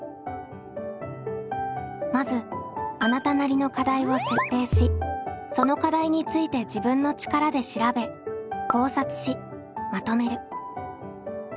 まずあなたなりの課題を設定しその課題について自分の力で調べ考察しまとめる。